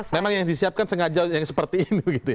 memang yang disiapkan sengaja yang seperti ini gitu ya